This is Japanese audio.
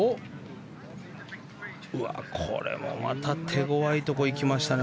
これもまた手ごわいところに行きましたね。